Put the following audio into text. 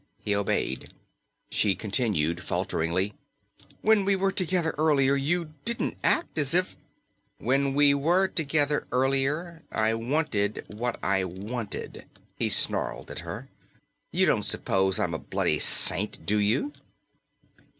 He obeyed. She continued falteringly, "When we were together earlier, you didn't act as if ..." "When we were together earlier, I wanted what I wanted," he snarled at her. "You don't suppose I'm a bloody saint, do you?"